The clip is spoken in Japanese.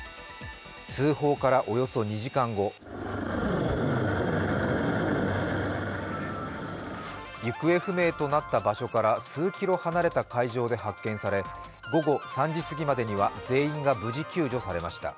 通報からおよそ２時間後行方不明となった場所から数キロ離れた海上で発見され午後３時すぎまでには全員が無事救助されました。